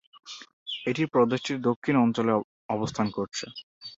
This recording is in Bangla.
এটি প্রদেশটির দক্ষিণ অঞ্চলে অবস্থান করছে।